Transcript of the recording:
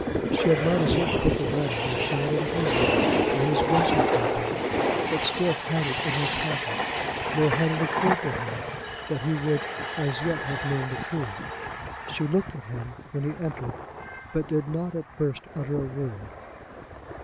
She had not as yet put the letter, as she had intended, on his dressing table, but still had it in her pocket; nor had it occurred to her that he would as yet have known the truth. She looked at him when he entered, but did not at first utter a word.